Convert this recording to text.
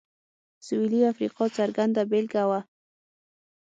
سوېلي افریقا څرګنده بېلګه وه.